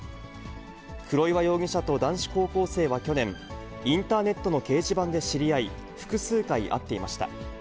黒岩容疑者と男子高校生は去年、インターネットの掲示板で知り合い、複数回会っていました。